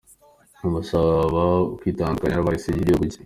uwusaba kwitandukanya n’ahahise h’igihugu cye.